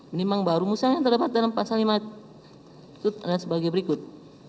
menimbang bahwa rumusan yang terdapat dalam pasal lima ayat satu kuh adalah sebagai berikut